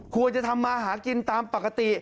ควรจะทำมาหากินตามปกติ